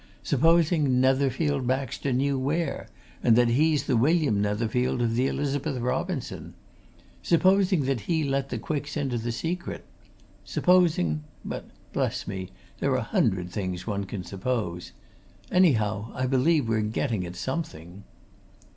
Supposing Netherfield Baxter knew where, and that he's the William Netherfield of the Elizabeth Robinson? Supposing that he let the Quicks into the secret? Supposing but, bless me! there are a hundred things one can suppose! Anyhow, I believe we're getting at something."